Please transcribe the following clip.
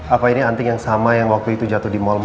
apa ini anting yang sama yang waktu myers itu jatuh di mal ma